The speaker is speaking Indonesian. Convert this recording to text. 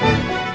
ya udah mbak